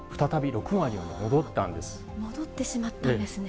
戻ってしまったんですね。